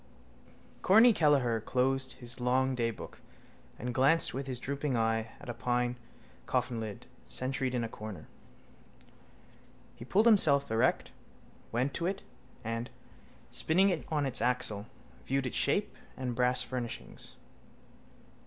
_Corny Kelleher closed his long daybook and glanced with his drooping eye at a pine coffinlid sentried in a corner. He pulled himself erect, went to it and, spinning it on its axle, viewed its shape and brass furnishings.